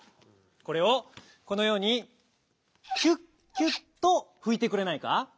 これをこのように「きゅっきゅっ」とふいてくれないか？